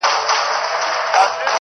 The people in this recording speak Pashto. چوپ پاته وي-